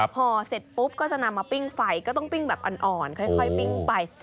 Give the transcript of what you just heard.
พอเสร็จปุ๊บก็จะนำมาปิ้งไฟก็ต้องปิ้งแบบอ่อนค่อยปิ้งไป